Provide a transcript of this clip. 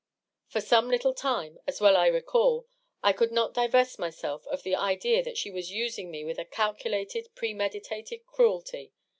For some little time, as I well recall, I could not divest myself of the idea that she was using me with a calculated, premeditated cruelty.